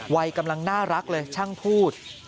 วัยกำลังน่ารักเลยช่างพูด